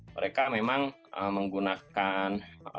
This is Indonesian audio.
mereka memang menggunakan